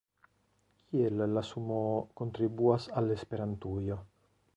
Kiel la sumoo kontribuas al Esperantujo?